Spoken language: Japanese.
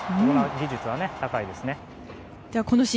技術が高いですね。